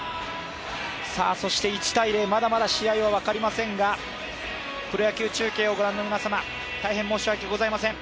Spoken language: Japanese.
１−０、まだまだ試合は分かりませんがプロ野球中継をご覧の皆様、大変申し訳ございません。